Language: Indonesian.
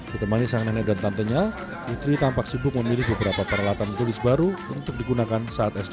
ditemani sang nenek dan tantenya putri tampak sibuk memilih beberapa peralatan tulis baru untuk digunakan saat sd